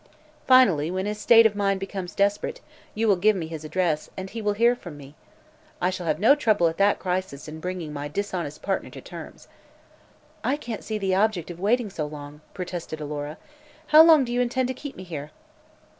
Finally, when his state of mind becomes desperate, you will give me his address and he will hear from me. I shall have no trouble, at that crisis, in bringing my dishonest partner to terms." "I can't see the object of waiting so long," protested Alora. "How long do you intend to keep me here?"